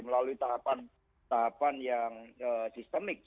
melalui tahapan tahapan yang sistemik